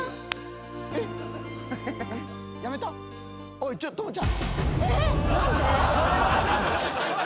おいちょっ朋ちゃん。